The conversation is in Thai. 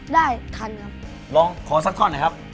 ได้ทันครับลองขอสักก้อนนะครับ